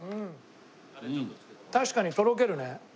確かにとろけるね。